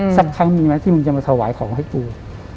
สักครั้งมีไหมที่มึงจะมาถวายของให้กู